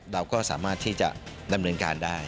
เราก็สามารถที่จะดำเนินการได้